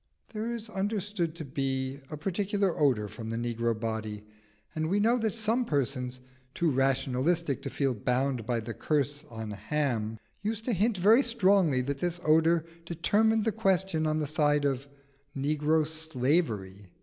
There is understood to be a peculiar odour from the negro body, and we know that some persons, too rationalistic to feel bound by the curse on Ham, used to hint very strongly that this odour determined the question on the side of negro slavery.